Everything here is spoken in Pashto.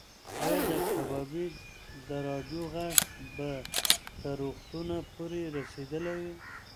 ایا د کبابي د راډیو غږ به تر روغتونه پورې رسېدلی وي؟